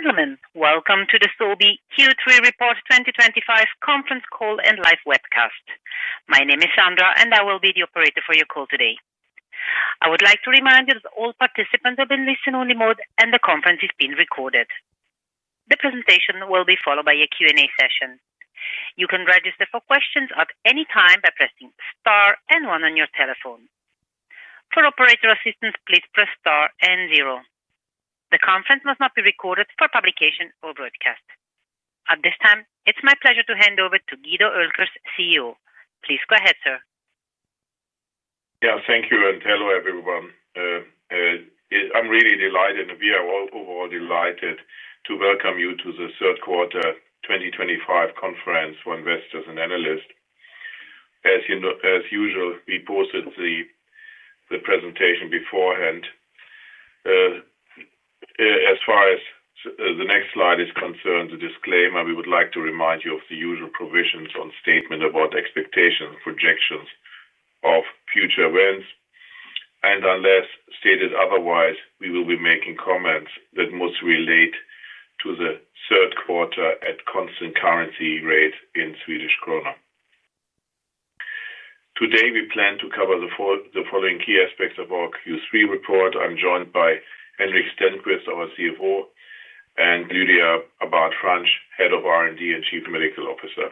Ladies and gentlemen, welcome to the Swedish Orphan Biovitrum Q3 Report 2025 conference call and live webcast. My name is Sandra, and I will be the operator for your call today. I would like to remind you that all participants are in listen-only mode, and the conference is being recorded. The presentation will be followed by a Q&A session. You can register for questions at any time by pressing star and one on your telephone. For operator assistance, please press star and zero. The conference must not be recorded for publication or broadcast. At this time, it's my pleasure to hand over to Guido Oelkers, CEO. Please go ahead, sir. Yeah, thank you, and hello everyone. I'm really delighted, and we are all overall delighted to welcome you to the third quarter 2025 conference for investors and analysts. As you know, as usual, we posted the presentation beforehand. As far as the next slide is concerned, the disclaimer, we would like to remind you of the usual provisions on statements about expectations and projections of future events. Unless stated otherwise, we will be making comments that must relate to the third quarter at constant currency rate in Swedish krona. Today, we plan to cover the following key aspects of our Q3 report. I'm joined by Henrik Stenqvist, our CFO, and Lydia Abad-Franch, Head of R&D and Chief Medical Officer.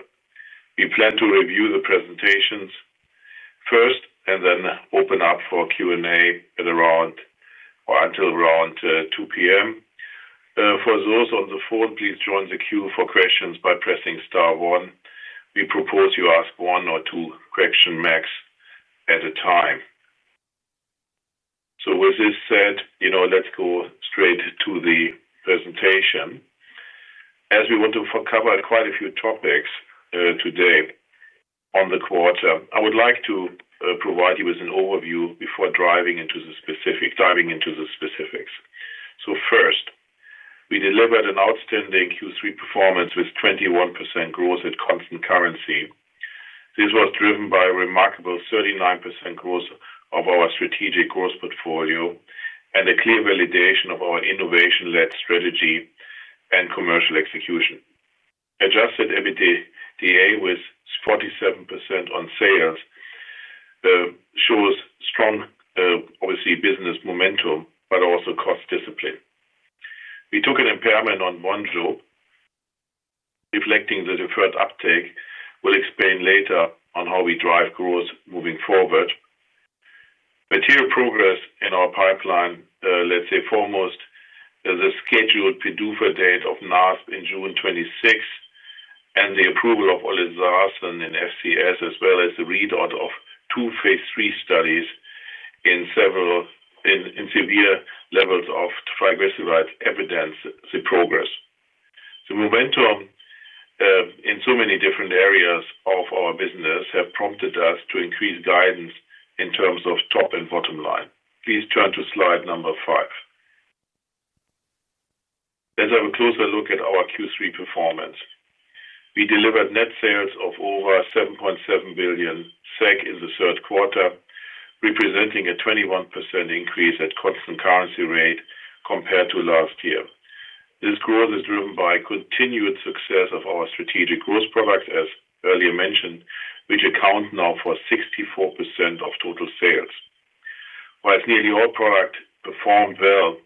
We plan to review the presentations first and then open up for Q&A at around or until around 2:00 P.M. For those on the phone, please join the queue for questions by pressing star one. We propose you ask one or two questions at a time. With this said, let's go straight to the presentation. As we want to cover quite a few topics today on the quarter, I would like to provide you with an overview before diving into the specifics. First, we delivered an outstanding Q3 performance with 21% growth at constant currency. This was driven by a remarkable 39% growth of our strategic growth portfolio and a clear validation of our innovation-led strategy and commercial execution. Adjusted EBITDA with 47% on sales shows strong, obviously, business momentum, but also cost discipline. We took an impairment on Bonjour, reflecting the deferred uptake. We'll explain later on how we drive growth moving forward. Material progress in our pipeline, foremost, the scheduled PDUFA date of NASP in June 26th and the approval of Tryngolza in familial chylomicronemia syndrome, as well as the readout of two phase III studies in severe levels of triglycerides, evidence the progress. The momentum in so many different areas of our business has prompted us to increase guidance in terms of top and bottom line. Please turn to slide number five. Let's have a closer look at our Q3 performance. We delivered net sales of over 7.7 billion SEK in the third quarter, representing a 21% increase at constant currency rate compared to last year. This growth is driven by continued success of our strategic growth products, as earlier mentioned, which account now for 64% of total sales. While nearly all products performed well,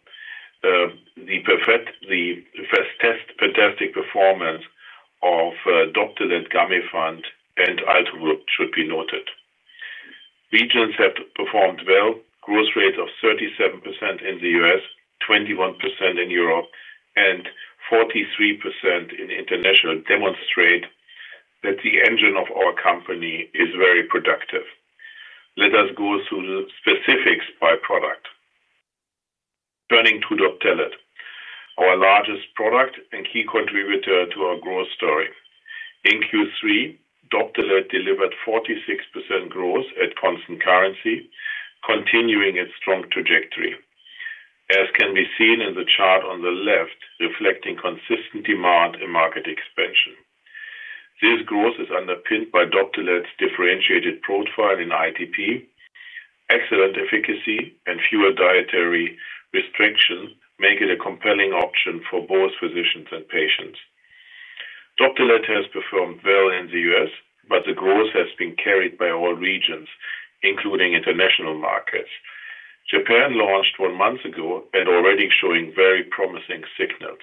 the fantastic performance of DOPTELET, GAMIFANT, and Altuvoct should be noted. Regions have performed well. Growth rates of 37% in the U.S., 21% in Europe, and 43% in international demonstrate that the engine of our company is very productive. Let us go through the specifics by product. Turning to DOPTELET, our largest product and key contributor to our growth story. In Q3, DOPTELET delivered 46% growth at constant currency, continuing its strong trajectory. As can be seen in the chart on the left, reflecting consistent demand and market expansion. This growth is underpinned by DOPTELET's differentiated profile in ITP. Excellent efficacy and fewer dietary restrictions make it a compelling option for both physicians and patients. DOPTELET has performed well in the U.S., but the growth has been carried by all regions, including international markets. Japan launched one month ago and already showing very promising signals.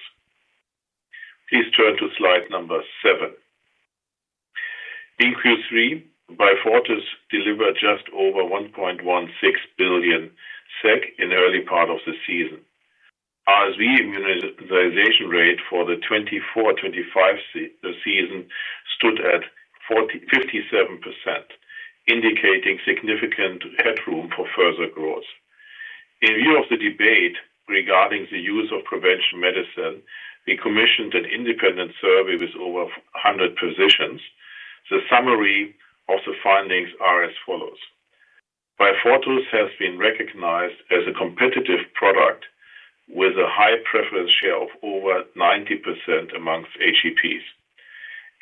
Please turn to slide number seven. In Q3, BEYFORTUS delivered just over 1.16 billion SEK in the early part of the season. RSV immunization rate for the 2024/2025 season stood at 57%, indicating significant headroom for further growth. In view of the debate regarding the use of prevention medicine, we commissioned an independent survey with over 100 physicians. The summary of the findings are as follows: BEYFORTUS has been recognized as a competitive product with a high preference share of over 90% amongst HCPs.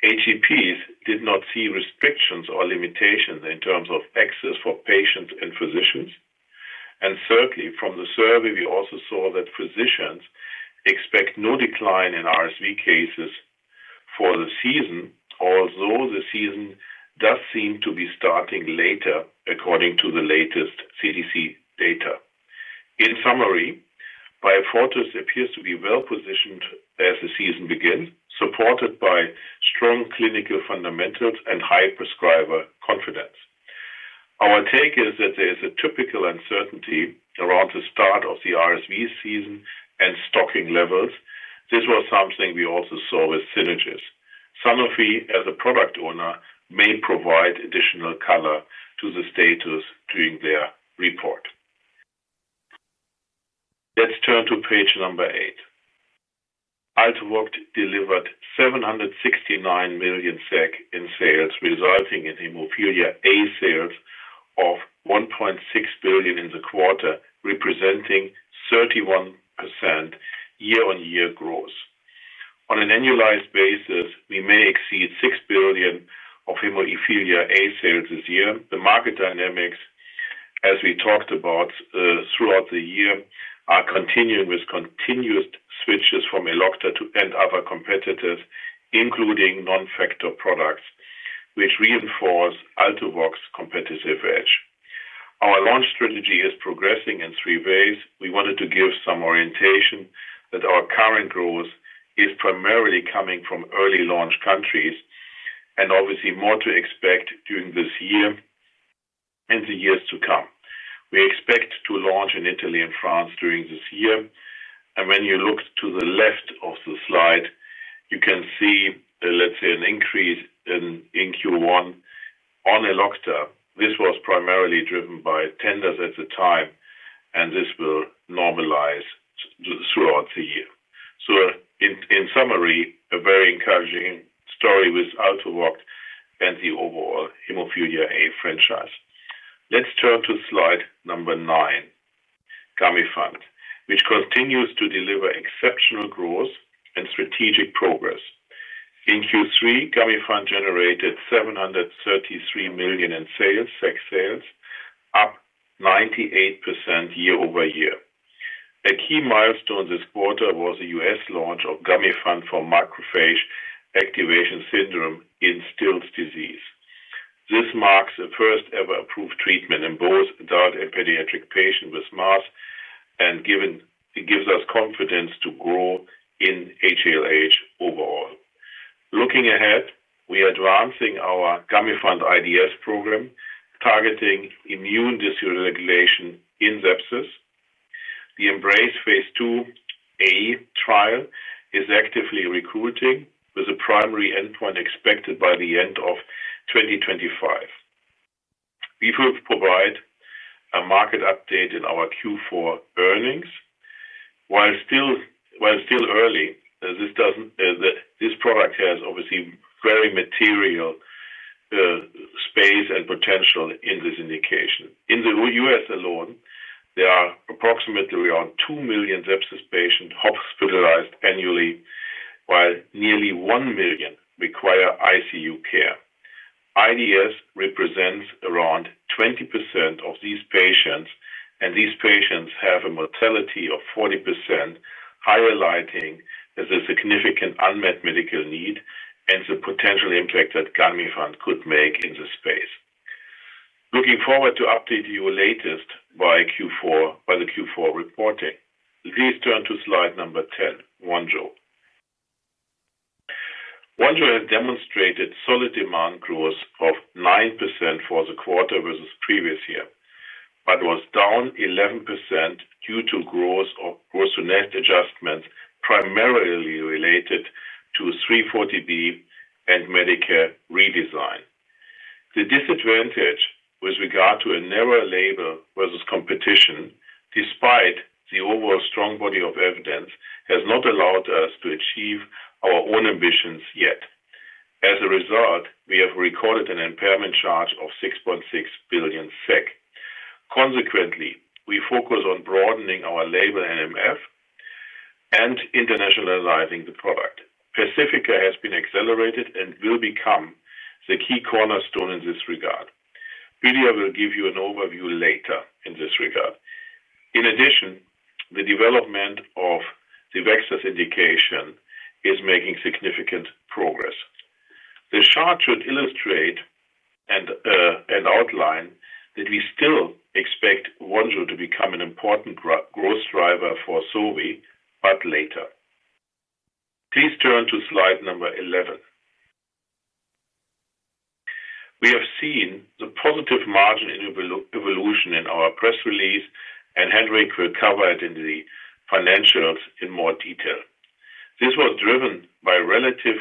HCPs did not see restrictions or limitations in terms of access for patients and physicians. Certainly, from the survey, we also saw that physicians expect no decline in RSV cases for the season, although the season does seem to be starting later, according to the latest CDC data. In summary, BEYFORTUS appears to be well positioned as the season begins, supported by strong clinical fundamentals and high prescriber confidence. Our take is that there is a typical uncertainty around the start of the RSV season and stocking levels. This was something we also saw with SYNAGIS. Sanofi, as a product owner, may provide additional color to the status during their report. Let's turn to page number eight. Altuvoct delivered 769 million SEK in sales, resulting in haemophilia A sales of 1.6 billion in the quarter, representing 31% year-on-year growth. On an annualized basis, we may exceed 6 billion of haemophilia A sales this year. The market dynamics, as we talked about throughout the year, are continuing with continuous switches from Elocta and other competitors, including non-factor products, which reinforce Altuvoct's competitive edge. Our launch strategy is progressing in three ways. We wanted to give some orientation that our current growth is primarily coming from early launch countries and obviously more to expect during this year and the years to come. We expect to launch in Italy and France during this year. When you look to the left of the slide, you can see, let's say, an increase in Q1 on Elocta. This was primarily driven by tenders at the time, and this will normalize throughout the year. In summary, a very encouraging story with Altuvoct and the overall haemophilia A franchise. Let's turn to slide number nine, GAMIFANT, which continues to deliver exceptional growth and strategic progress. In Q3, GAMIFANT generated 733 million in sales, up 98% year-over-year. A key milestone this quarter was the U.S. launch of GAMIFANT for macrophage activation syndrome in Still’s disease. This marks the first ever approved treatment in both adult and pediatric patients with MAS, and gives us confidence to grow in HLH overall. Looking ahead, we are advancing our GAMIFANT IDS program, targeting immune dysregulation in sepsis. The Embrace Phase II-A trial is actively recruiting, with a primary endpoint expected by the end of 2025. We will provide a market update in our Q4 earnings. While still early, this product has obviously very material space and potential in this indication. In the U.S. alone, there are approximately around 2 million sepsis patients hospitalized annually, while nearly 1 million require ICU care. IDS represents around 20% of these patients, and these patients have a mortality of 40%, highlighting the significant unmet medical need and the potential impact that GAMIFANT could make in this space. Looking forward to updating you latest by the Q4 reporting. Please turn to slide number 10, Bonjour. Bonjour has demonstrated solid demand growth of 9% for the quarter versus previous year, but was down 11% due to growth of gross net adjustments primarily related to 340B and Medicare redesign. The disadvantage with regard to a narrower label versus competition, despite the overall strong body of evidence, has not allowed us to achieve our own ambitions yet. As a result, we have recorded an impairment charge of 6.6 billion SEK. Consequently, we focus on broadening our label NMF and internationalizing the product. Pacifica has been accelerated and will become the key cornerstone in this regard. Lydia will give you an overview later in this regard. In addition, the development of the VEXAS syndrome is making significant progress. The chart should illustrate and outline that we still expect Bonjour to become an important growth driver for Sobi, but later. Please turn to slide number 11. We have seen the positive margin in evolution in our press release, and Henrik will cover it in the financials in more detail. This was driven by a relative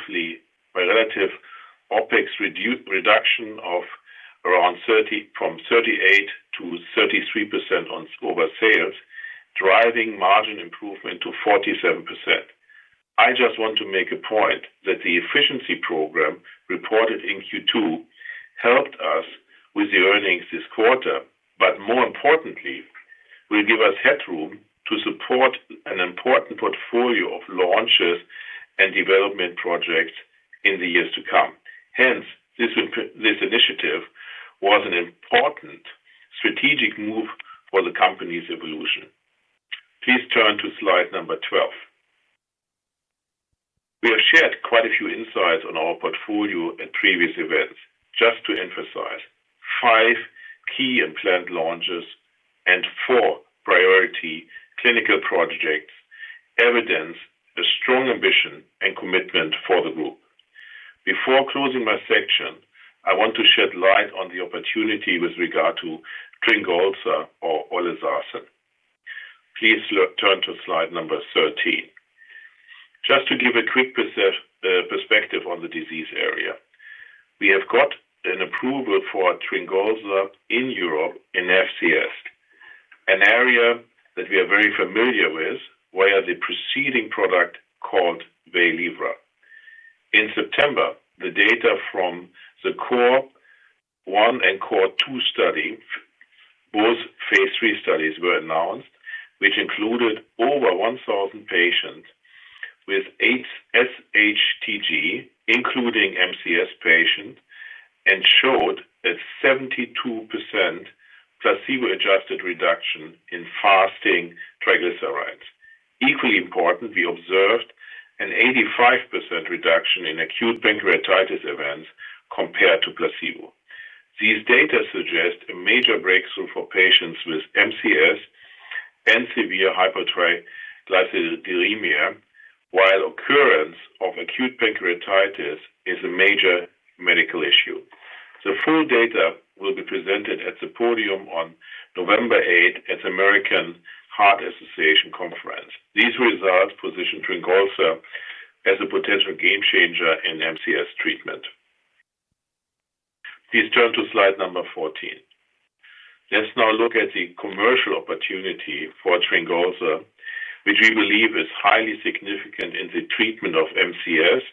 OpEx reduction of around 30% from 38%-33% over sales, driving margin improvement to 47%. I just want to make a point that the efficiency program reported in Q2 helped us with the earnings this quarter, but more importantly, will give us headroom to support an important portfolio of launches and development projects in the years to come. Hence, this initiative was an important strategic move for the company's evolution. Please turn to slide number 12. We have shared quite a few insights on our portfolio at previous events. Just to emphasize, five key and planned launches and four priority clinical projects evidence a strong ambition and commitment for the group. Before closing my section, I want to shed light on the opportunity with regard to Tryngolza or OLEZARSEN. Please turn to slide number 13. Just to give a quick perspective on the disease area, we have got an approval for Tryngolza in Europe in familial chylomicronemia syndrome, an area that we are very familiar with via the preceding product called WAYLIVRA. In September, the data from the core one and core two studies, both phase III studies were announced, which included over 1,000 patients with severe hypertriglyceridemia, including MAS patients, and showed a 72% placebo-adjusted reduction in fasting triglycerides. Equally important, we observed an 85% reduction in acute pancreatitis events compared to placebo. These data suggest a major breakthrough for patients with MAS and severe hypertriglyceridemia, while the occurrence of acute pancreatitis is a major medical issue. The full data will be presented at the podium on November 8th at the American Heart Association conference. These results position Tryngolza as a potential game changer in MAS treatment. Please turn to slide number 14. Let's now look at the commercial opportunity for Tryngolza, which we believe is highly significant in the treatment of familial chylomicronemia syndrome,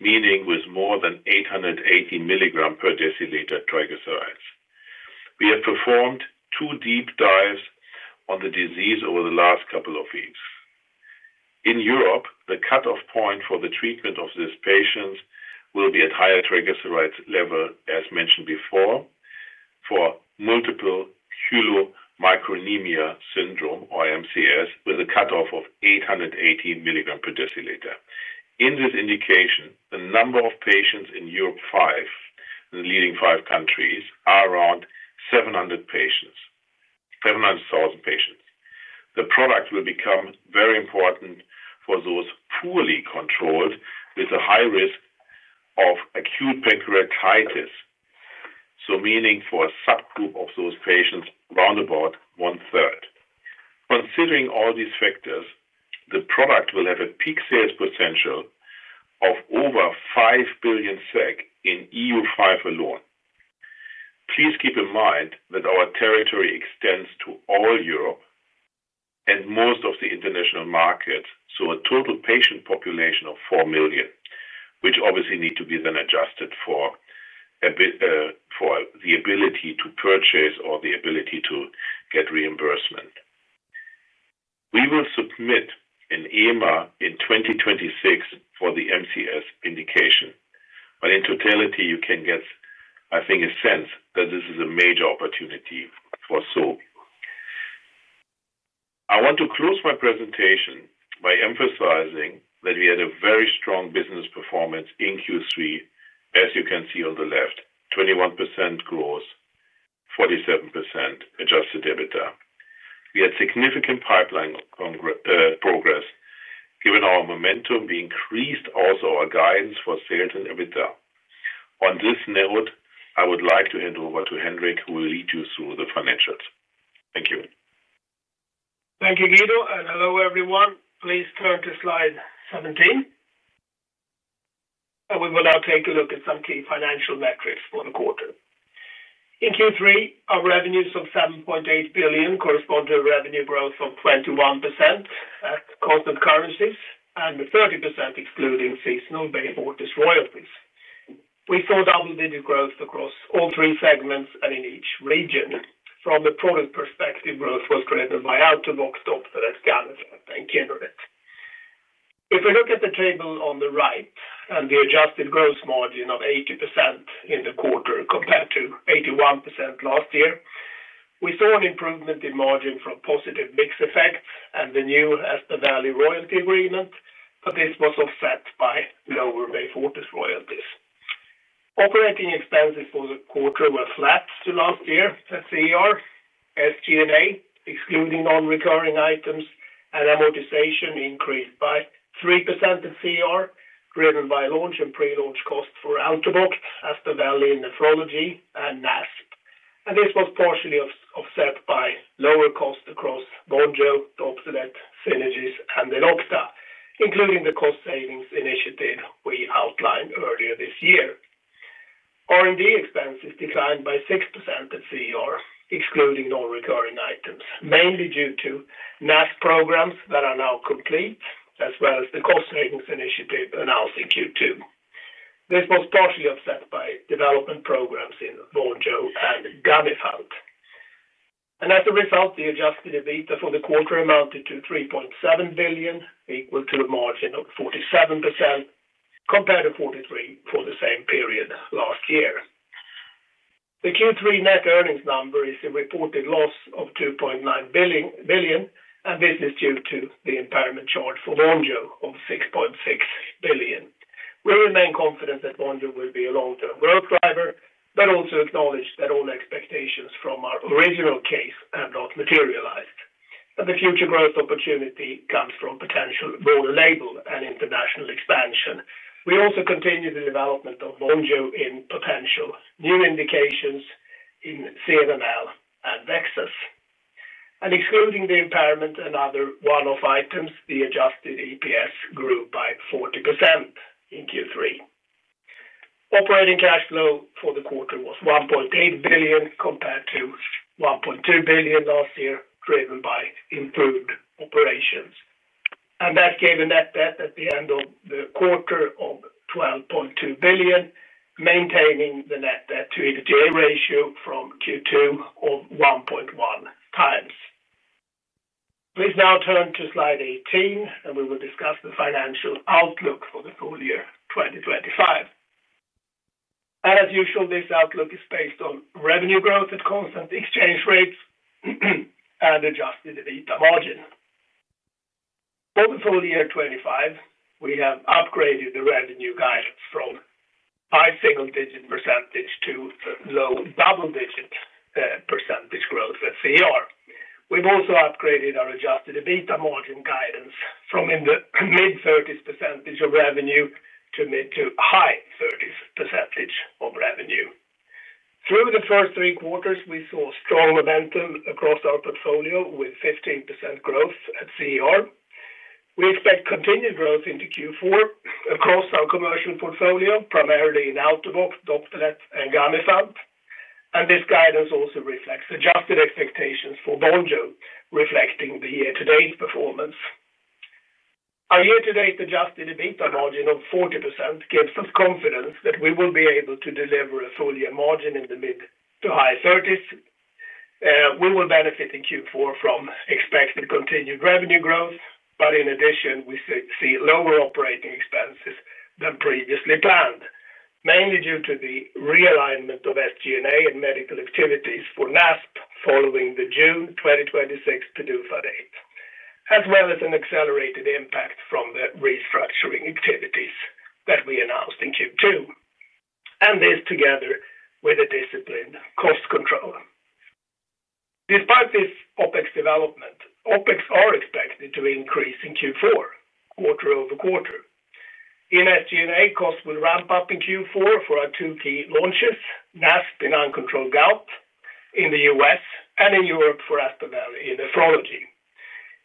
meaning with more than 880 mg/dL triglycerides. We have performed two deep dives on the disease over the last couple of weeks. In Europe, the cut-off point for the treatment of these patients will be at higher triglycerides level, as mentioned before, for familial chylomicronemia syndrome, or FCS, with a cutoff of 880 mg/dL. In this indication, the number of patients in EU5, in the leading five countries, is around 700,000 patients. The product will become very important for those poorly controlled with a high risk of acute pancreatitis, meaning for a subgroup of those patients, round about 1/3. Considering all these factors, the product will have a peak sales potential of over 5 billion SEK in EU5 alone. Please keep in mind that our territory extends to all Europe and most of the international markets, so a total patient population of 4 million, which obviously need to be then adjusted for the ability to purchase or the ability to get reimbursement. We will submit an EMA in 2026 for the FCS indication. In totality, you can get, I think, a sense that this is a major opportunity for Sobi. I want to close my presentation by emphasizing that we had a very strong business performance in Q3, as you can see on the left, 21% growth, 47% adjusted EBITDA. We had significant pipeline progress. Given our momentum, we increased also our guidance for sales and EBITDA. On this note, I would like to hand over to Henrik, who will lead you through the financials. Thank you. Thank you, Guido, and hello everyone. Please turn to slide 17. We will now take a look at some key financial metrics for the quarter. In Q3, our revenues of 7.8 billion correspond to a revenue growth of 21% at constant currencies and 30% excluding seasonal BEYFORTUS royalties. We saw double-digit growth across all three segments and in each region. From a product perspective, growth was driven by Altuvoct, DOPTELET, GAMIFANT, and Kineret. If we look at the table on the right and the adjusted gross margin of 80% in the quarter compared to 81% last year, we saw an improvement in margin from positive mix effects and the new Aspaveli royalty agreement, but this was offset by lower BEYFORTUS royalties. Operating expenses for the quarter were flat to last year at CER. SG&A, excluding non-recurring items and amortization, increased by 3% in CER, driven by launch and pre-launch costs for Altuvoct, Aspaveli in nephrology, and NASP. This was partially offset by lower costs across Bonjour, DOPTELET, SYNAGIS, and Elocta, including the cost savings initiative we outlined earlier this year. R&D expenses declined by 6% at CER, excluding non-recurring items, mainly due to NASP programs that are now complete, as well as the cost savings initiative announced in Q2. This was partially offset by development programs in Bonjour and GAMIFANT. As a result, the adjusted EBITDA for the quarter amounted to 3.7 billion, equal to a margin of 47% compared to 43% for the same period last year. The Q3 net earnings number is a reported loss of 2.9 billion, and this is due to the impairment charge for Bonjour of 6.6 billion. We remain confident that Bonjour will be a long-term growth driver, but also acknowledge that all expectations from our original case have not materialized. The future growth opportunity comes from potential broader label and international expansion. We also continue the development of Bonjour in potential new indications in CMML and VEXAS. Excluding the impairment and other one-off items, the adjusted EPS grew by 40% in Q3. Operating cash flow for the quarter was 1.8 billion compared to 1.2 billion last year, driven by improved operations. That gave a net debt at the end of the quarter of 12.2 billion, maintaining the net debt to EBITDA ratio from Q2 of 1.1 times. Please now turn to slide 18, and we will discuss the financial outlook for the full year 2025. As usual, this outlook is based on revenue growth at constant exchange rates and adjusted EBITDA margin. For the full year 2025, we have upgraded the revenue guidance from high single-digit percentage to low double-digit percentage growth at CER. We've also upgraded our adjusted EBITDA margin guidance from in the mid-30s percentage of revenue to mid to high 30s percentage of revenue. Through the first three quarters, we saw strong momentum across our portfolio with 15% growth at CER. We expect continued growth into Q4 across our commercial portfolio, primarily in Altuvoct, DOPTELET, and GAMIFANT. This guidance also reflects adjusted expectations for Bonjour, reflecting the year-to-date performance. Our year-to-date adjusted EBITDA margin of 40% gives us confidence that we will be able to deliver a full-year margin in the mid to high 30s. We will benefit in Q4 from expected continued revenue growth. In addition, we see lower operating expenses than previously planned, mainly due to the realignment of SG&A and medical activities for NASP following the June 2026 PDUFA date, as well as an accelerated impact from the restructuring activities that we announced in Q2. This is together with disciplined cost control. Despite this OpEx development, OpEx are expected to increase in Q4, quarter-over-quarter. In SG&A, costs will ramp up in Q4 for our two key launches: NASP in uncontrolled gout in the U.S. and in Europe for Aspaveli in nephrology.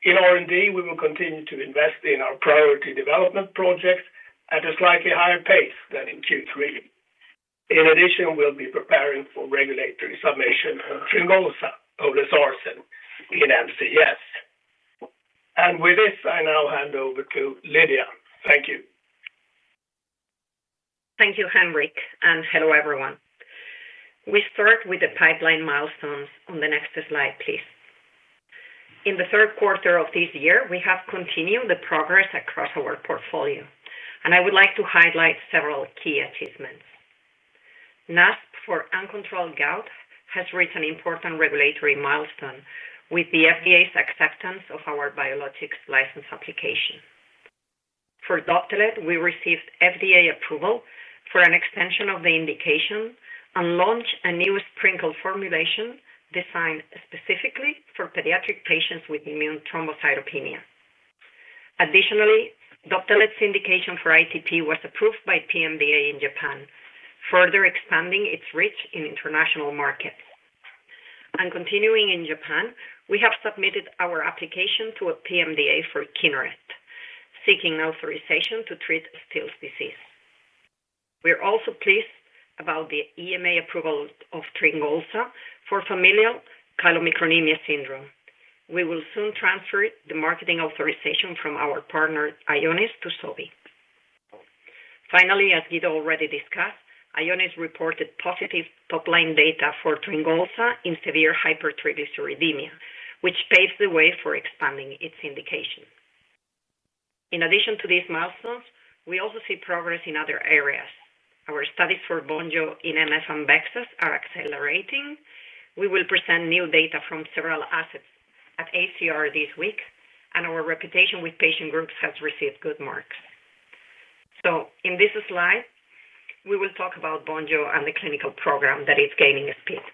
In R&D, we will continue to invest in our priority development projects at a slightly higher pace than in Q3. In addition, we'll be preparing for regulatory submission of Tryngolza in familial chylomicronemia syndrome. With this, I now hand over to Lydia. Thank you. Thank you, Henrik, and hello everyone. We start with the pipeline milestones on the next slide, please. In the third quarter of this year, we have continued the progress across our portfolio, and I would like to highlight several key achievements. NASP for uncontrolled gout has reached an important regulatory milestone with the FDA's acceptance of our biologics license application. For DOPTELET, we received FDA approval for an extension of the indication and launched a new sprinkle formulation designed specifically for pediatric patients with immune thrombocytopenia. Additionally, DOPTELET's indication for ITP was approved by PMDA in Japan, further expanding its reach in international markets. Continuing in Japan, we have submitted our application to PMDA for Kineret, seeking authorization to treat Still's disease. We're also pleased about the EMA approval of Tryngolza for familial chylomicronemia syndrome. We will soon transfer the marketing authorization from our partner, Ionis, to Sobi. Finally, as Guido already discussed, Ionis reported positive top-line data for Tryngolza in severe hypertriglyceridemia, which paves the way for expanding its indication. In addition to these milestones, we also see progress in other areas. Our studies for Bonjour in myelofibrosis and VEXAS are accelerating. We will present new data from several assets at ACR this week, and our reputation with patient groups has received good marks. In this slide, we will talk about Bonjour and the clinical program that is gaining speed.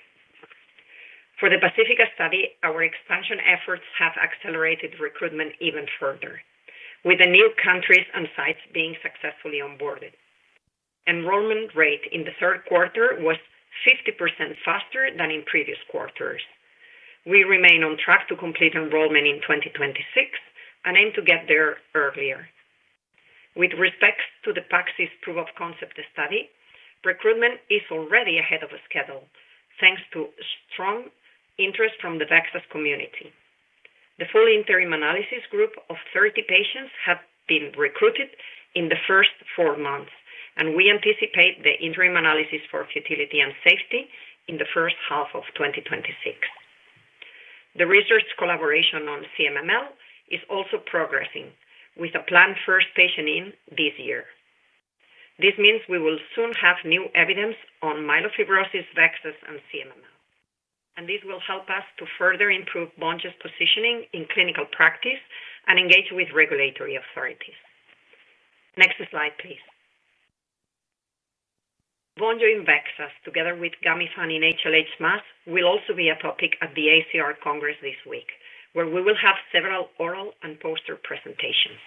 For the Pacifica study, our expansion efforts have accelerated recruitment even further, with the new countries and sites being successfully onboarded. Enrollment rate in the third quarter was 50% faster than in previous quarters. We remain on track to complete enrollment in 2026 and aim to get there earlier. With respect to the PAXIS proof of concept study, recruitment is already ahead of schedule, thanks to strong interest from the VEXAS community. The full interim analysis group of 30 patients have been recruited in the first four months, and we anticipate the interim analysis for futility and safety in the first half of 2026. The research collaboration on CMML is also progressing, with a planned first patient in this year. This means we will soon have new evidence on myelofibrosis, VEXAS, and CMML, and this will help us to further improve Bonjour's positioning in clinical practice and engage with regulatory authorities. Next slide, please. Bonjour and VEXAS, together with GAMIFANT in HLH MAS, will also be a topic at the ACR Congress this week, where we will have several oral and poster presentations.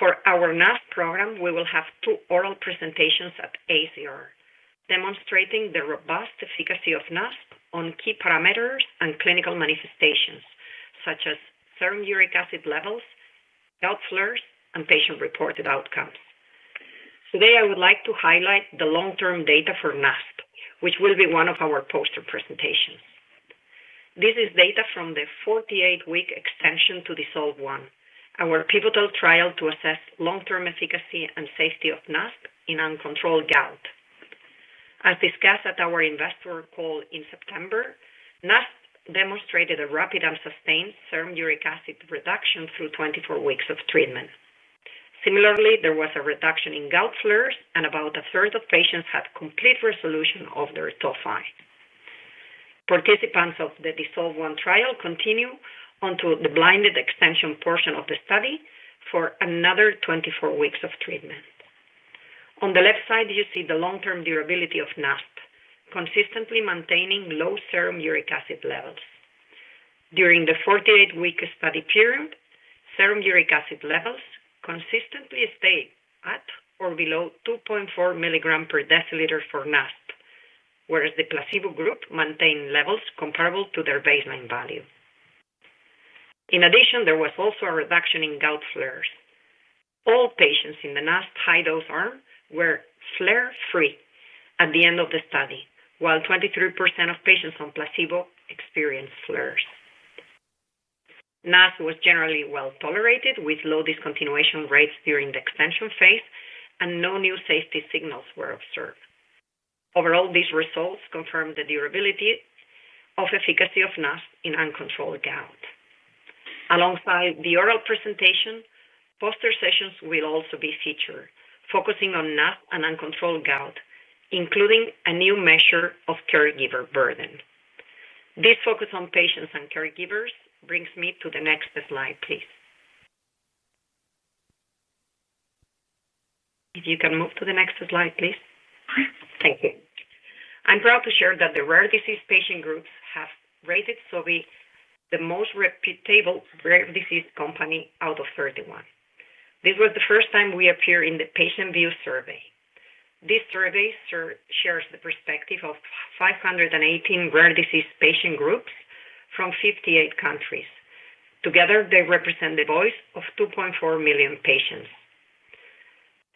For our NASP program, we will have two oral presentations at ACR, demonstrating the robust efficacy of NASP on key parameters and clinical manifestations, such as serum uric acid levels, gout flares, and patient-reported outcomes. Today, I would like to highlight the long-term data for NASP, which will be one of our poster presentations. This is data from the 48-week extension to Dissolve One, our pivotal trial to assess long-term efficacy and safety of NASP in uncontrolled gout. As discussed at our investor call in September, NASP demonstrated a rapid and sustained serum uric acid reduction through 24 weeks of treatment. Similarly, there was a reduction in gout flares, and about a third of patients had complete resolution of their tophi. Participants of the Dissolve One trial continue onto the blinded extension portion of the study for another 24 weeks of treatment. On the left side, you see the long-term durability of NASP, consistently maintaining low serum uric acid levels. During the 48-week study period, serum uric acid levels consistently stayed at or below 2.4 mg/dL for NASP, whereas the placebo group maintained levels comparable to their baseline value. In addition, there was also a reduction in gout flares. All patients in the NASP high-dose arm were flare-free at the end of the study, while 23% of patients on placebo experienced flares. NASP was generally well tolerated, with low discontinuation rates during the extension phase, and no new safety signals were observed. Overall, these results confirm the durability of efficacy of NASP in uncontrolled gout. Alongside the oral presentation, poster sessions will also be featured, focusing on NASP and uncontrolled gout, including a new measure of caregiver burden. This focus on patients and caregivers brings me to the next slide, please. If you can move to the next slide, please. Thank you. I'm proud to share that the rare disease patient groups have rated Sobi the most reputable rare disease company out of 31. This was the first time we appeared in the patient view survey. This survey shares the perspective of 518 rare disease patient groups from 58 countries. Together, they represent the voice of 2.4 million patients.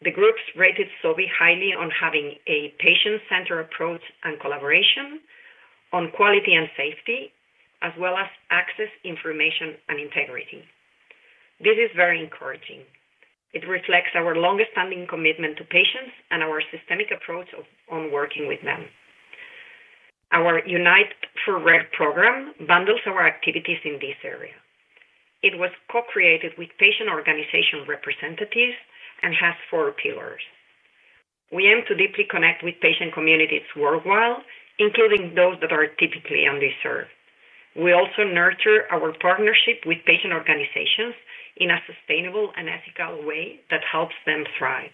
The groups rated Sobi highly on having a patient-centered approach and collaboration on quality and safety, as well as access, information, and integrity. This is very encouraging. It reflects our long-standing commitment to patients and our systemic approach on working with them. Our Unite for Rare program bundles our activities in this area. It was co-created with patient organization representatives and has four pillars. We aim to deeply connect with patient communities worldwide, including those that are typically underserved. We also nurture our partnership with patient organizations in a sustainable and ethical way that helps them thrive.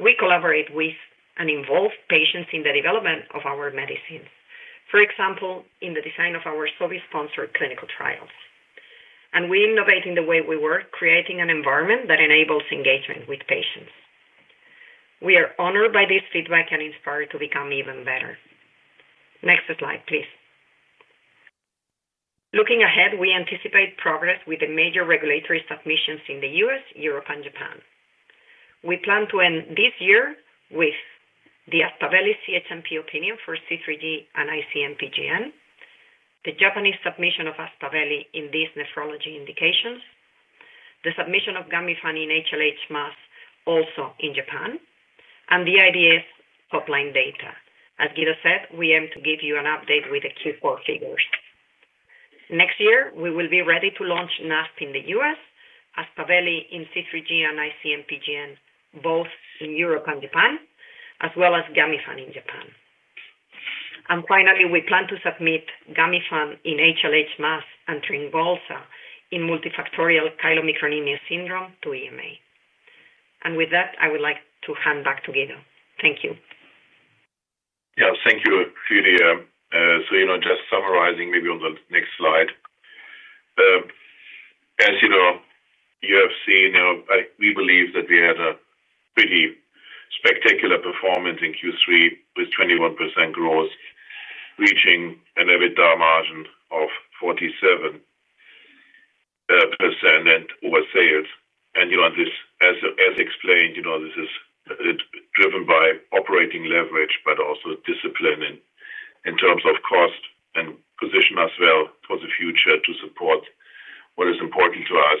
We collaborate with and involve patients in the development of our medicines, for example, in the design of our Sobi-sponsored clinical trials. We innovate in the way we work, creating an environment that enables engagement with patients. We are honored by this feedback and inspired to become even better. Next slide, please. Looking ahead, we anticipate progress with the major regulatory submissions in the U.S., Europe, and Japan. We plan to end this year with the Aspaveli CHMP opinion for C3G and IC-MPGN, the Japanese submission of Aspaveli in these nephrology indications, the submission of GAMIFANT in HLH/MAS also in Japan, and the IDS top-line data. As Guido said, we aim to give you an update with the Q4 figures. Next year, we will be ready to launch NASP in the U.S., Aspaveli in C3G and IC-MPGN, both in Europe and Japan, as well as GAMIFANT in Japan. Finally, we plan to submit GAMIFANT in HLH/MAS and Tryngolza in familial chylomicronemia syndrome to EMA. With that, I would like to hand back to Guido. Thank you. Yeah, thank you, Lydia. Just summarizing maybe on the next slide. As you know, you have seen, we believe that we had a pretty spectacular performance in Q3 with 21% growth, reaching an EBITDA margin of 47% and oversales. As explained, this is driven by operating leverage, but also discipline in terms of cost and position as well for the future to support what is important to us.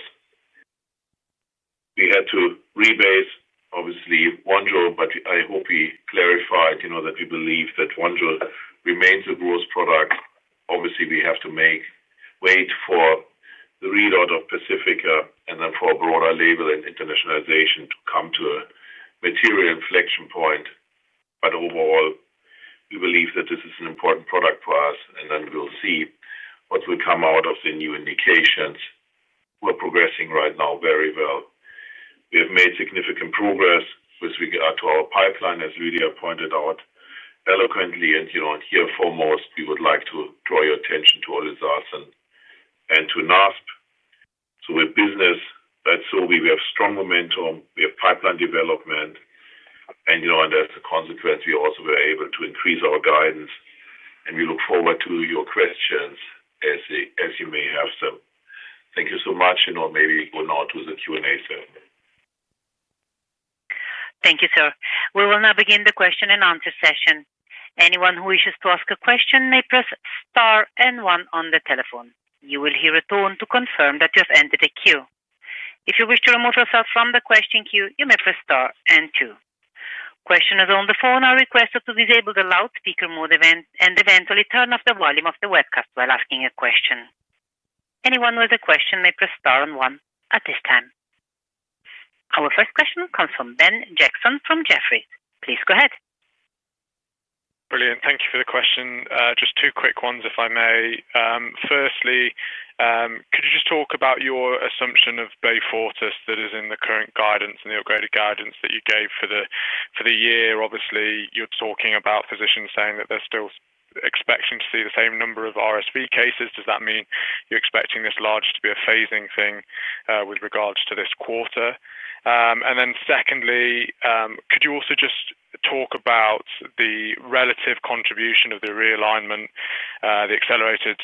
We had to rebase, obviously, Bonjour, but I hope we clarified that we believe that Bonjour remains a growth product. Obviously, we have to wait for the readout of Pacifica and then for a broader label and internationalization to come to a material inflection point. Overall, we believe that this is an important product for us, and then we'll see what will come out of the new indications. We're progressing right now very well. We have made significant progress with regard to our pipeline, as Lydia pointed out eloquently. Here foremost, we would like to draw your attention to NASP. With business at Sobi, we have strong momentum. We have pipeline development. As a consequence, we also were able to increase our guidance. We look forward to your questions, as you may have some. Thank you so much. Maybe we'll now do the Q&A session. Thank you, sir. We will now begin the question and answer session. Anyone who wishes to ask a question may press star and one on the telephone. You will hear a tone to confirm that you have entered a queue. If you wish to remove yourself from the question queue, you may press star and two. Questioners on the phone are requested to disable the loudspeaker mode and eventually turn off the volume of the webcast while asking a question. Anyone with a question may press star and one at this time. Our first question comes from Ben Jackson from Jefferies. Please go ahead. Brilliant. Thank you for the question. Just two quick ones, if I may. Firstly, could you just talk about your assumption of BEYFORTUS that is in the current guidance and the upgraded guidance that you gave for the year? Obviously, you're talking about physicians saying that they're still expecting to see the same number of RSV cases. Does that mean you're expecting this largely to be a phasing thing, with regards to this quarter? Secondly, could you also just talk about the relative contribution of the realignment, the accelerated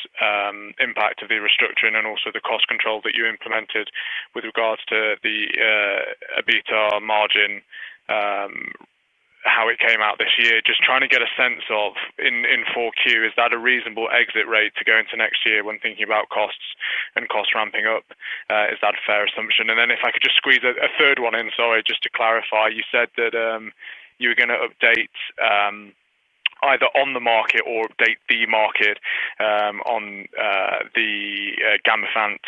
impact of the restructuring, and also the cost control that you implemented with regards to the EBITDA margin, how it came out this year? Just trying to get a sense of in 4Q, is that a reasonable exit rate to go into next year when thinking about costs and costs ramping up? Is that a fair assumption? If I could just squeeze a third one in, sorry, just to clarify. You said that you were going to update either on the market or update the market on the GAMIFANT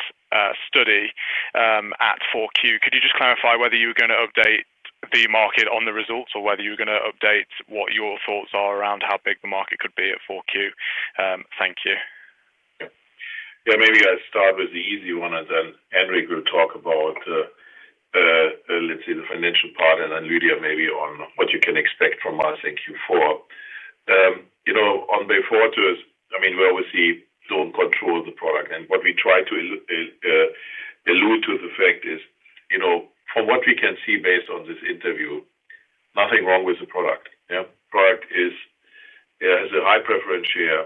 study at 4Q. Could you just clarify whether you were going to update the market on the results or whether you were going to update what your thoughts are around how big the market could be at 4Q? Thank you. Yeah, maybe I'll start with the easy one, and then Henrik will talk about, let's say, the financial part, and then Lydia maybe on what you can expect from us in Q4. On BEYFORTUS, we obviously don't control the product. What we try to allude to is, from what we can see based on this interview, nothing wrong with the product. The product has a high preference share.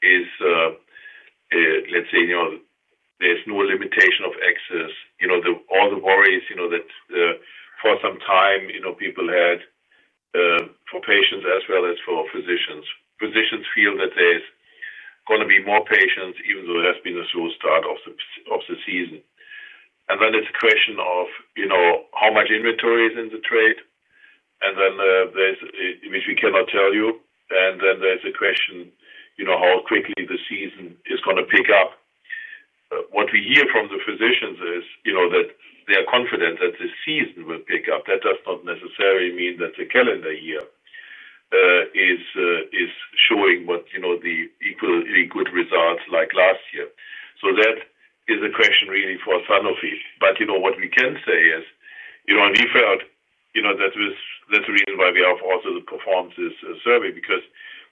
There's no limitation of access. All the worries that, for some time, people had, for patients as well as for physicians. Physicians feel that there's going to be more patients, even though it has been a slow start of the season. It's a question of how much inventory is in the trade, which we cannot tell you. Then there's a question of how quickly the season is going to pick up. What we hear from the physicians is that they are confident that the season will pick up. That does not necessarily mean that the calendar year is showing the equally good results like last year. That is a question really for Sanofi. What we can say is, and we felt that was the reason why we have also the performance survey, because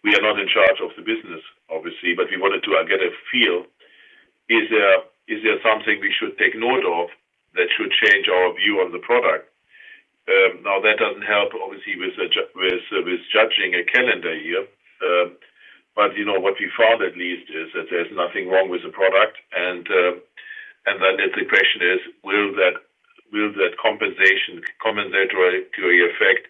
we are not in charge of the business, but we wanted to get a feel, is there something we should take note of that should change our view on the product? That doesn't help with judging a calendar year, but what we found at least is that there's nothing wrong with the product. The question is, will that compensatory effect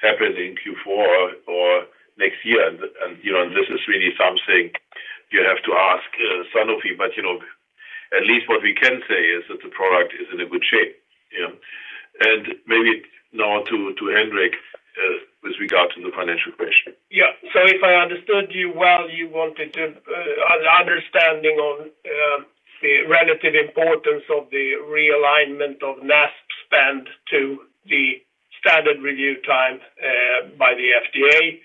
happen in Q4 or next year? This is really something you have to ask Sanofi. At least what we can say is that the product is in a good shape. Maybe now to Henrik, with regard to the financial question. If I understood you well, you wanted an understanding on the relative importance of the realignment of NASP spend to the standard review time by the FDA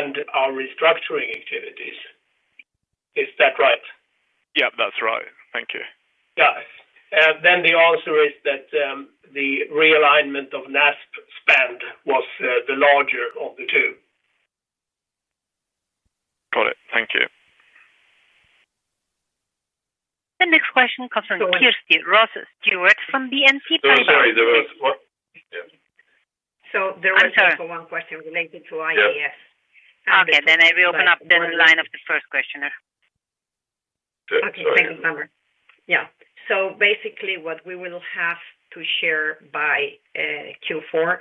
and our restructuring activities. Is that right? Yeah, that's right. Thank you. The answer is that the realignment of NASP spend was the larger of the two. Got it. Thank you. The next question comes from Kirsty Ross-Stewart from BNP Paribas. I'm sorry. There was what? There was time for one question related to IDS. Okay. I will open up the line of the first questioner. Okay. Thank you. Yeah. Basically, what we will have to share by Q4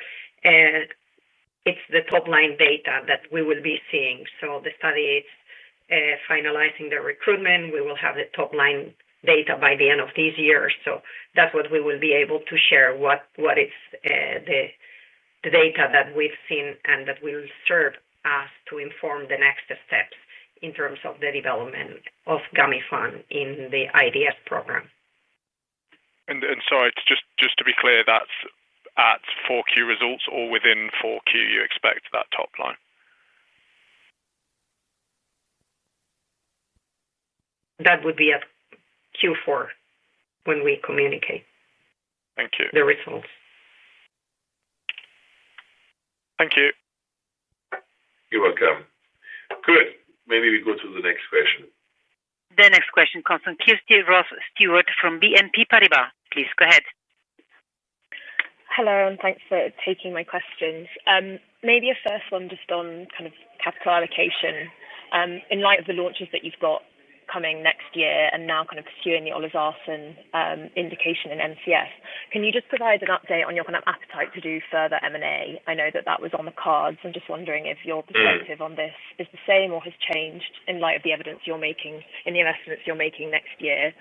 is the top-line data that we will be seeing. The study is finalizing the recruitment. We will have the top-line data by the end of this year. That's what we will be able to share, what is the data that we've seen, and that will serve us to inform the next steps in terms of the development of GAMIFANT in the IDS program. Just to be clear, that's at 4Q results or within 4Q, you expect that top line? That would be at Q4 when we communicate. Thank you. The results. Thank you. You're welcome. Good. Maybe we go to the next question. The next question comes from Kirsty Ross-Stewart from BNP Paribas. Please go ahead. Hello, and thanks for taking my questions. Maybe a first one just on kind of capital allocation. In light of the launches that you've got coming next year and now kind of pursuing the OLEZARSEN indication in MAS, can you just provide an update on your kind of appetite to do further M&A? I know that that was on the cards. I'm just wondering if your perspective on this is the same or has changed in light of the evidence you're making in the investments you're making next year,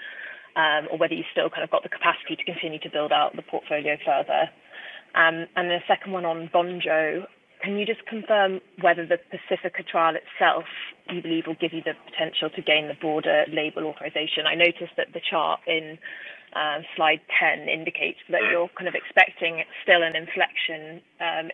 or whether you still kind of got the capacity to continue to build out the portfolio further. A second one on Bonjour. Can you just confirm whether the Pacifica trial itself you believe will give you the potential to gain the broader label authorization? I noticed that the chart in slide 10 indicates that you're kind of expecting it's still an inflection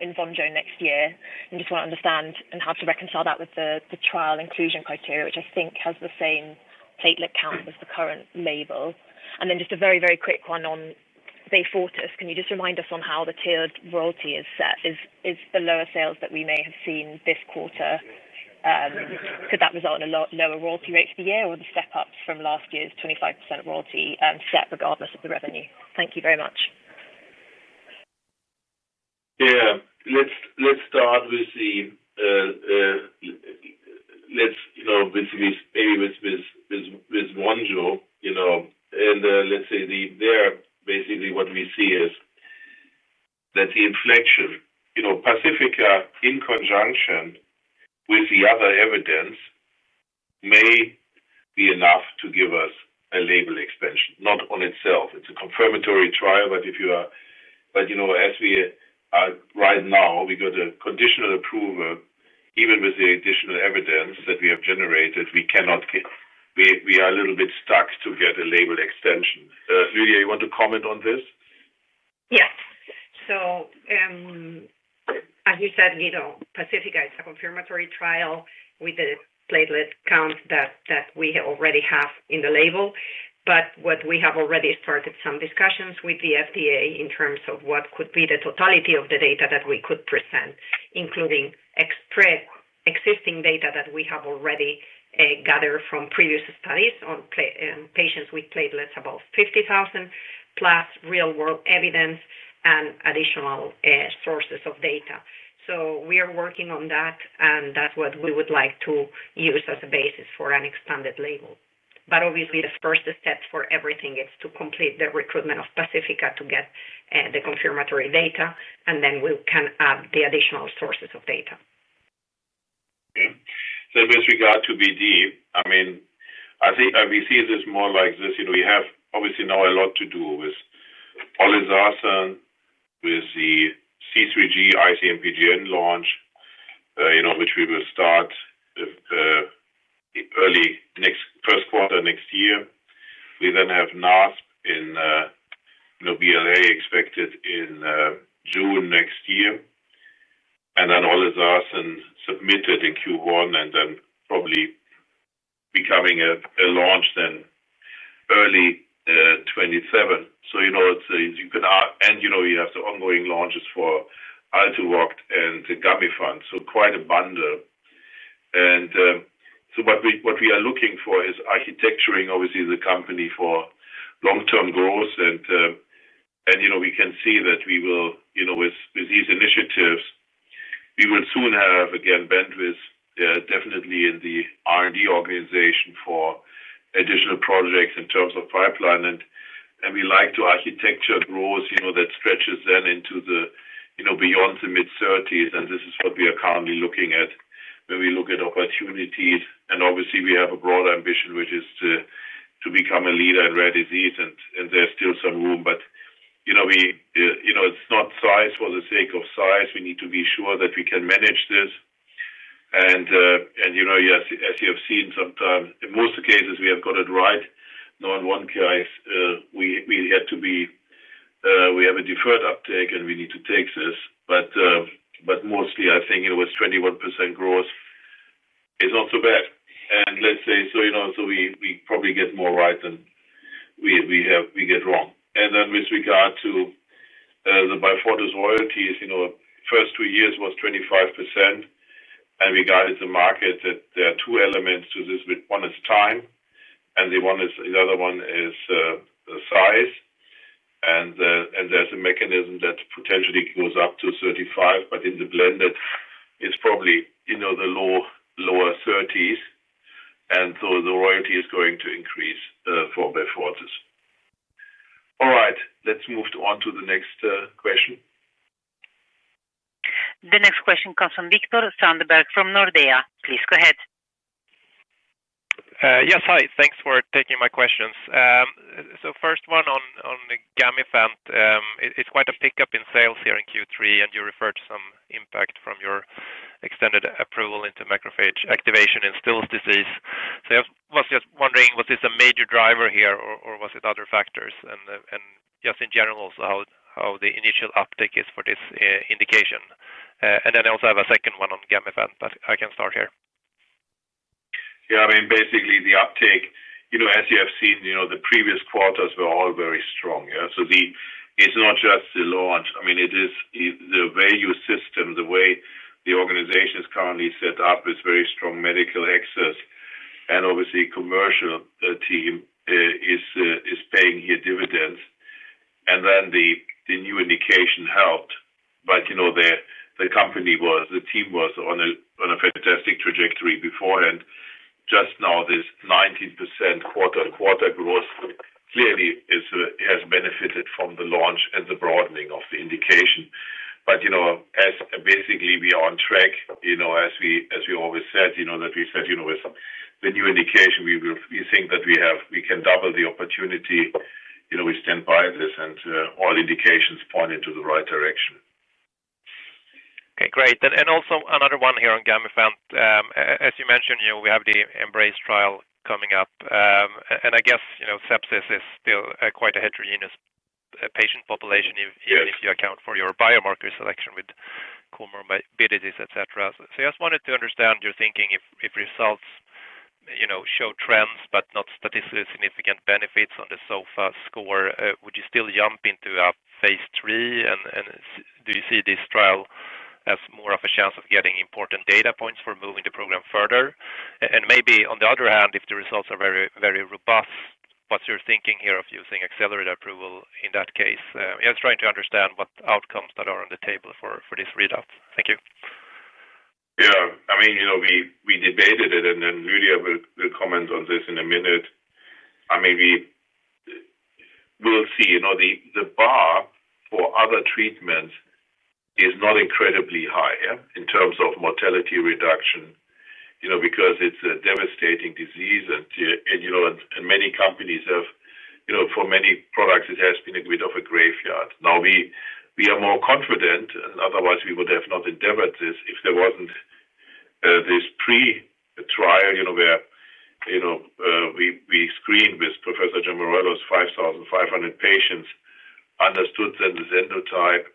in Bonjour next year. I just want to understand and have to reconcile that with the trial inclusion criteria, which I think has the same platelet count as the current label. A very, very quick one on BEYFORTUS. Can you just remind us on how the tiered royalty is set? Is the lower sales that we may have seen this quarter, could that result in a lot lower royalty rates for the year or are the step-ups from last year's 25% royalty set regardless of the revenue? Thank you very much. Yeah. Let's start with, you know, basically maybe with Bonjour. What we see is that the inflection, you know, Pacifica in conjunction with the other evidence may be enough to give us a label expansion, not on itself. It's a confirmatory trial, but as we are right now, we got a conditional approval. Even with the additional evidence that we have generated, we are a little bit stuck to get a label extension. Lydia, you want to comment on this? Yeah. As you said, Pacifica is a confirmatory trial with the platelet count that we already have in the label. We have already started some discussions with the FDA in terms of what could be the totality of the data that we could present, including existing data that we have already gathered from previous studies on patients with platelets above 50,000, plus real-world evidence and additional sources of data. We are working on that, and that's what we would like to use as a basis for an expanded label. Obviously, the first step for everything is to complete the recruitment of Pacifica to get the confirmatory data, and then we can add the additional sources of data. Okay. With regard to BD, I think we see this more like this. We have obviously now a lot to do with OLEZARSEN, with the C3G IC-MPGN launch, which we will start early next first quarter next year. We then have NASP in, BLA expected in June next year. Then OLEZARSEN submitted in Q1 and probably becoming a launch then early 2027. You can, and you have the ongoing launches for Altuvoct and GAMIFANT. Quite a bundle. What we are looking for is architecturing, obviously, the company for long-term goals. We can see that we will, with these initiatives, soon have again bandwidth, definitely in the R&D organization for additional projects in terms of pipeline. We like to architecture growth that stretches then into the, beyond the mid-2030s. This is what we are currently looking at when we look at opportunities. Obviously, we have a broader ambition, which is to become a leader in rare disease. There's still some room. It's not size for the sake of size. We need to be sure that we can manage this. Yes, as you have seen sometimes, in most of the cases, we have got it right. One guy, we had to be, we have a deferred uptake and we need to take this. Mostly, I think it was 21% growth. It's not so bad. We probably get more right than we get wrong. With regard to the BEYFORTUS royalties, the first two years was 25%. Regarding the market, there are two elements to this. One is time, and the other one is size. There's a mechanism that potentially goes up to 35%, but in the blended, it's probably the lower 30s. The royalty is going to increase for BEYFORTUS. All right. Let's move on to the next question. The next question comes from Viktor Sundberg from Nordea. Please go ahead. Yes. Hi. Thanks for taking my questions. First one on GAMIFANT. It's quite a pickup in sales here in Q3, and you referred to some impact from your extended approval into macrophage activation in Still’s disease. I was just wondering, was this a major driver here, or was it other factors? In general, also how the initial uptake is for this indication. I also have a second one on GAMIFANT, but I can start here. Yeah. Basically, the uptake, as you have seen, the previous quarters were all very strong. It is not just the launch. It is the value system, the way the organization is currently set up with very strong medical access. Obviously, the commercial team is paying here dividends. The new indication helped. The company was, the team was on a fantastic trajectory beforehand. This 19% quarter-on-quarter growth clearly has benefited from the launch and the broadening of the indication. As we are on track, as we always said, with the new indication, we think that we can double the opportunity. We stand by this, and all indications point in the right direction. Okay. Great. Also, another one here on GAMIFANT. As you mentioned, we have the Embrace trial coming up. I guess sepsis is still quite a heterogeneous patient population, even if you account for your biomarker selection with comorbidities, etc. I just wanted to understand your thinking if results show trends, but not statistically significant benefits on the SOFA score, would you still jump into a phase III? Do you see this trial as more of a chance of getting important data points for moving the program further? Maybe on the other hand, if the results are very, very robust, what's your thinking here of using accelerated approval in that case? I was trying to understand what outcomes are on the table for this readout. Thank you. Yeah. I mean, we debated it, and then Lydia will comment on this in a minute. I mean, we'll see. The bar for other treatments is not incredibly high in terms of mortality reduction, because it's a devastating disease. Many companies have, for many products, it has been a bit of a graveyard. We are more confident, and otherwise, we would have not endeavored this if there wasn't this pre-trial, where we screened with Professor Giamarellos's 5,500 patients, understood then the xenotype,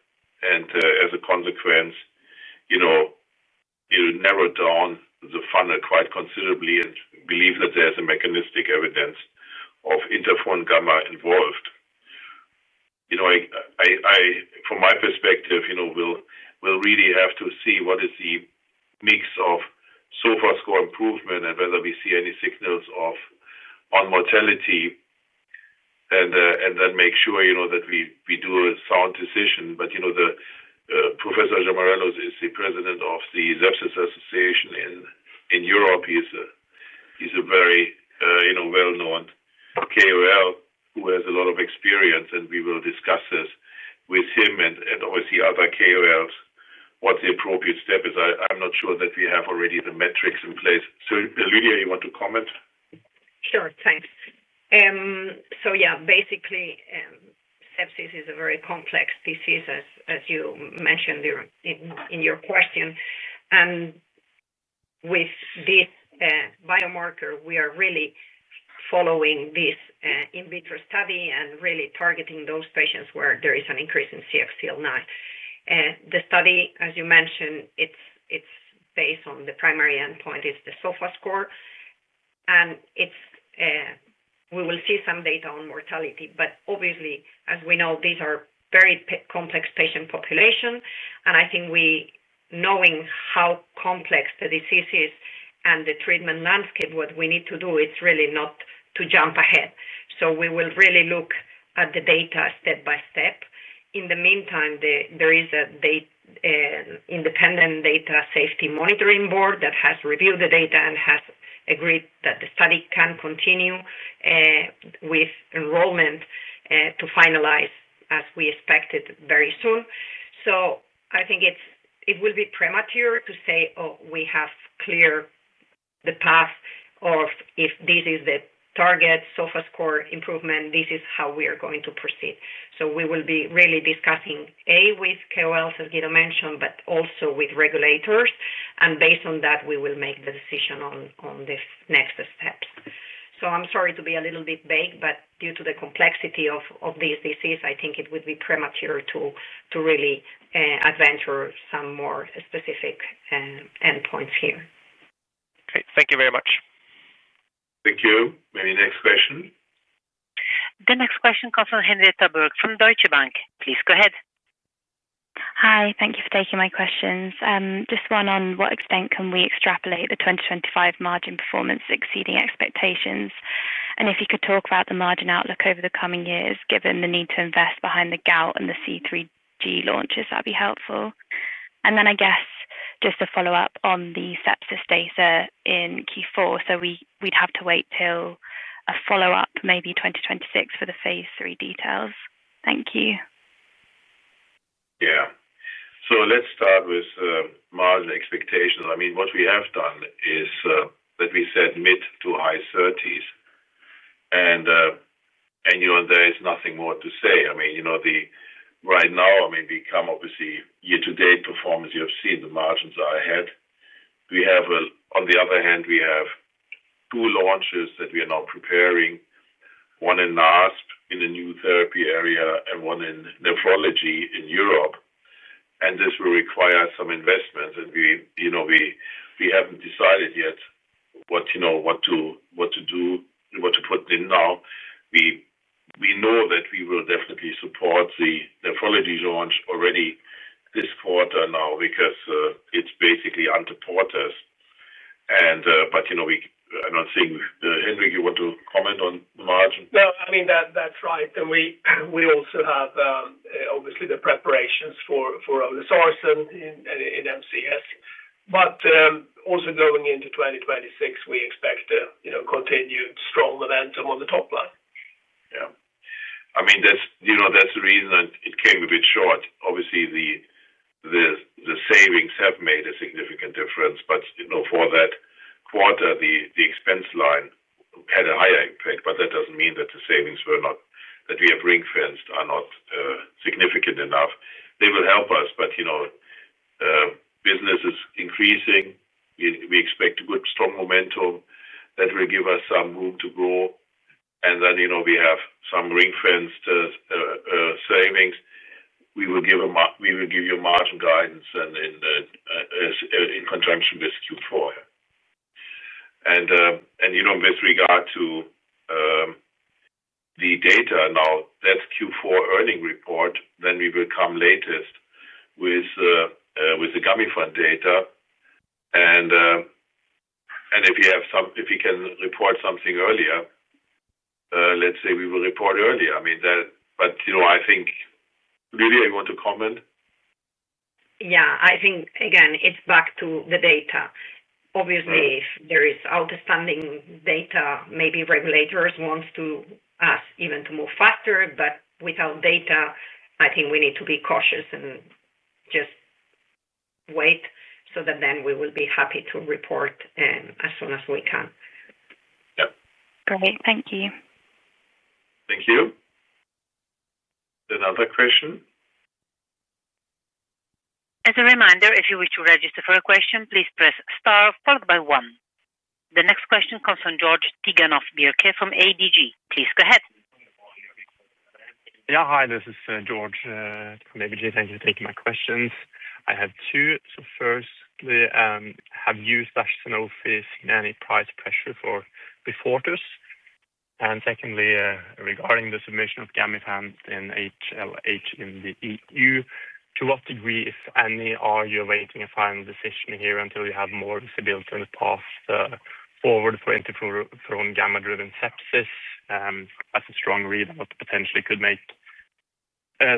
and as a consequence, you narrowed down the funnel quite considerably and believe that there's a mechanistic evidence of interferon gamma involved. From my perspective, we'll really have to see what is the mix of SOFA score improvement and whether we see any signals on mortality, and then make sure that we do a sound decision. Professor Giamarellos is the President of the Sepsis Association in Europe. He's a very well-known KOL who has a lot of experience, and we will discuss this with him and obviously other KOLs, what the appropriate step is. I'm not sure that we have already the metrics in place. Lydia, you want to comment? Sure. Thanks. Basically, sepsis is a very complex disease, as you mentioned in your question. With this biomarker, we are really following this in vitro study and really targeting those patients where there is an increase in CXCL9. The study, as you mentioned, is based on the primary endpoint, which is the SOFA score. We will see some data on mortality. Obviously, these are very complex patient populations. Knowing how complex the disease is and the treatment landscape, what we need to do is really not jump ahead. We will really look at the data step by step. In the meantime, there is an independent data safety monitoring board that has reviewed the data and has agreed that the study can continue with enrollment to finalize, as we expected, very soon. I think it will be premature to say, "Oh, we have cleared the path or if this is the target SOFA score improvement, this is how we are going to proceed." We will be really discussing, A, with KOLs, as Guido Oelkers mentioned, but also with regulators. Based on that, we will make the decision on the next steps. I'm sorry to be a little bit vague, but due to the complexity of this disease, I think it would be premature to really adventure some more specific endpoints here. Great. Thank you very much. Thank you. Maybe next question. The next question comes from Henrietta Boeg from Deutsche Bank. Please go ahead. Hi. Thank you for taking my questions. Just one on what extent can we extrapolate the 2025 margin performance exceeding expectations? If you could talk about the margin outlook over the coming years, given the need to invest behind the gout and the C3G launches, that'd be helpful. I guess just a follow-up on the sepsis data in Q4. We'd have to wait till a follow-up, maybe 2026, for the phase III details. Thank you. Yeah. Let's start with margin expectations. What we have done is that we said mid to high 30s, and there is nothing more to say. Right now, we come obviously year-to-date performance. You have seen the margins are ahead. On the other hand, we have two launches that we are now preparing, one in NASP in the new therapy area and one in nephrology in Europe. This will require some investments. We haven't decided yet what to do and what to put in now. We know that we will definitely support the nephrology launch already this quarter now because it's basically under Porter's. I don't think, Henrik, you want to comment on the margin? No, that's right. We also have, obviously, the preparations for macrophage activation syndrome in MAS. Going into 2026, we expect a continued strong momentum on the top line. Yeah, I mean, that's the reason it came a bit short. Obviously, the savings have made a significant difference. For that quarter, the expense line had a higher impact. That doesn't mean that the savings we have ring-fenced are not significant enough. They will help us. Business is increasing. We expect a good strong momentum that will give us some room to grow. We have some ring-fenced savings. We will give you margin guidance in conjunction with Q4. With regard to the data now, that's Q4 earning report. We will come latest with the GAMIFANT data. If we can report something earlier, let's say we will report earlier. I mean, Lydia, you want to comment? I think, again, it's back to the data. Obviously, if there is outstanding data, maybe regulators want us even to move faster. Without data, I think we need to be cautious and just wait so that then we will be happy to report as soon as we can. Yep. Great. Thank you. Thank you. Another question? As a reminder, if you wish to register for a question, please press star followed by one. The next question comes from Georg Tigalonov-Bjerke from ABG. Please go ahead. Yeah. Hi. This is Georg from ABG. Thank you for taking my questions. I have two. Firstly, have you or Sanofi seen any price pressure for BEYFORTUS? Secondly, regarding the submission of GAMIFANT in HLH in the EU, to what degree, if any, are you awaiting a final decision here until you have more visibility on the path forward for interferon gamma-driven sepsis? That's a strong readout. Potentially, it could make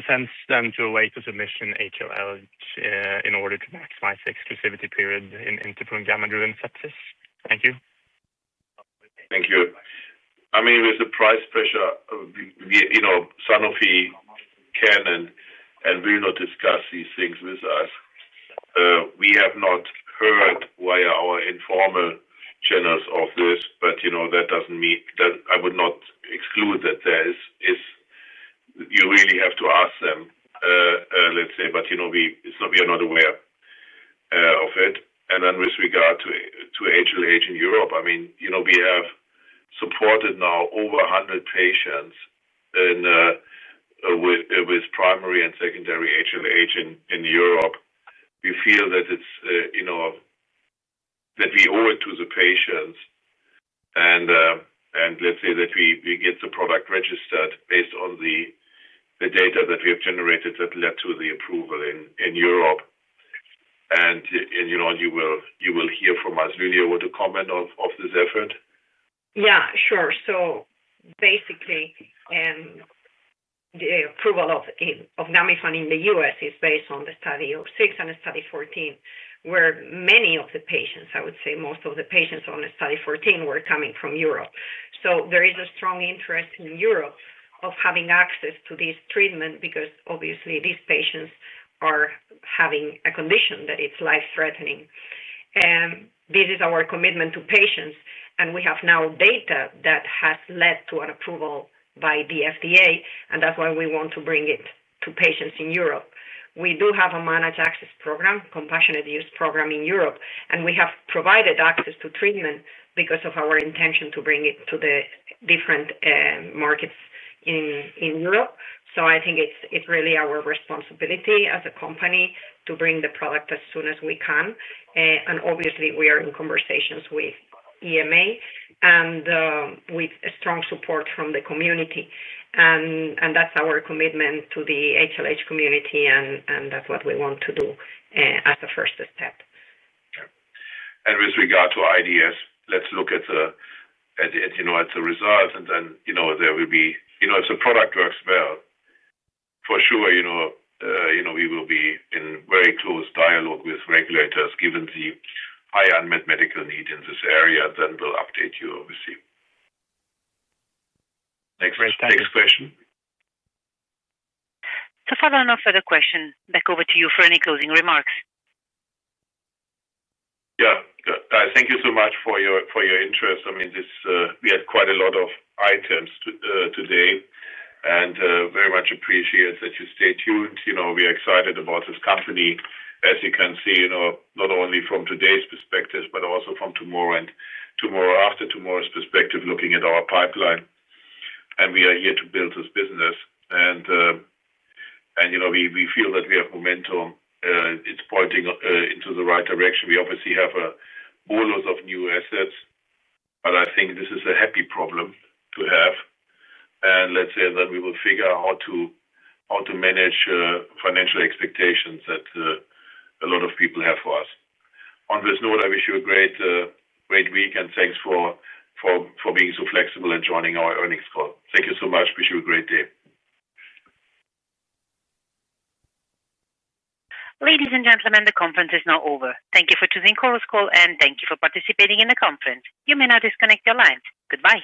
sense then to await the submission in HLH in order to maximize the exclusivity period in interferon gamma-driven sepsis. Thank you. Thank you. I mean, with the price pressure, you know, Sanofi can and will not discuss these things with us. We have not heard via our informal channels of this, but that doesn't mean that I would not exclude that there is, you really have to ask them, let's say. We are not aware of it. With regard to HLH in Europe, I mean, we have supported now over 100 patients with primary and secondary HLH in Europe. We feel that we owe it to the patients. Let's say that we get the product registered based on the data that we have generated that led to the approval in Europe. You will hear from us. Lydia, you want to comment on this effort? Yeah, sure. Basically, the approval of GAMIFANT in the U.S. is based on the study 6 and the study 14, where many of the patients, I would say most of the patients on the study 14 were coming from Europe. There is a strong interest in Europe of having access to this treatment because obviously, these patients are having a condition that is life-threatening. This is our commitment to patients. We have now data that has led to an approval by the FDA, and that's why we want to bring it to patients in Europe. We do have a managed access program, compassionate use program in Europe, and we have provided access to treatment because of our intention to bring it to the different markets in Europe. I think it's really our responsibility as a company to bring the product as soon as we can. Obviously, we are in conversations with EMA, with strong support from the community. That's our commitment to the HLH community, and that's what we want to do as a first step. With regard to IDS, let's look at the results. If the product works well, for sure, we will be in very close dialogue with regulators, given the high unmet medical need in this area. We will update you, obviously. Next question. Following up with a question, back over to you for any closing remarks. Thank you so much for your interest. We had quite a lot of items today and very much appreciate that you stay tuned. We are excited about this company. As you can see, not only from today's perspective, but also from tomorrow and the day after tomorrow's perspective, looking at our pipeline. We are here to build this business and we feel that we have momentum. It's pointing in the right direction. We obviously have a bolus of new assets, but I think this is a happy problem to have. We will figure out how to manage financial expectations that a lot of people have for us. On this note, I wish you a great week and thanks for being so flexible and joining our earnings call. Thank you so much. Wish you a great day. Ladies and gentlemen, the conference is now over. Thank you for choosing Chorus Call, and thank you for participating in the conference. You may now disconnect your lines. Goodbye.